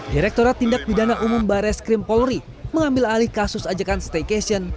direkturat tindak bidana umum barres krimpolri mengambil alih kasus ajakan staycation